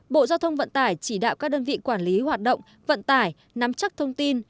bộ giao thông vận tải chỉ đạo các đơn vị quản lý hoạt động vận tải nắm chắc thông tin